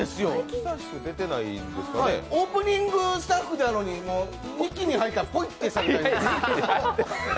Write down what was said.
オープニングスタッフなのに２期に入ったら、ポイってされました。